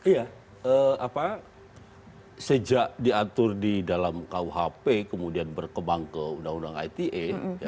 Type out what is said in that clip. ya apa sejak diatur di dalam kuhp kemudian berkembang ke undang undang ite